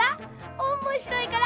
おもしろいから！